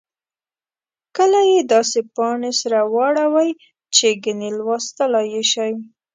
کله یې داسې پاڼې سره واړوئ چې ګنې لوستلای یې شئ.